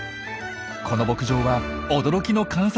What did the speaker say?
この牧場は驚きの観察